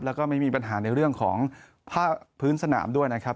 แล้วก็ไม่มีปัญหาในเรื่องของผ้าพื้นสนามด้วยนะครับ